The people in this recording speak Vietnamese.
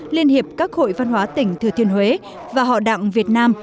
liên hiệp các hội văn hóa tỉnh thừa thiên huế và họ đặng việt nam